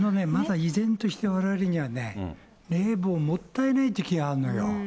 依然としてわれわれには冷房、もったいないという気があるのよ。